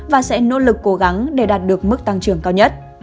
và sẽ nỗ lực cố gắng để đạt được mức tăng trưởng cao nhất